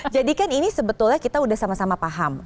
jadi kan ini sebetulnya kita sudah sama sama paham